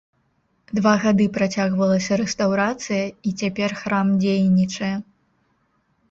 Два гады працягвалася рэстаўрацыя, і цяпер храм дзейнічае.